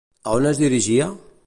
A on es dirigia?